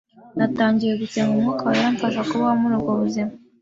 Natangiye gusenga, Umwuka wera amfasha kubaho muri ubwo buzima